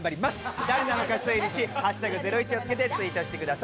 誰なのか推理し、「＃ゼロイチ」をつけて推理してください。